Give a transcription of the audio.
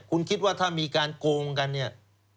คุณคิดว่าถ้ามีการโกงกันเนี่ย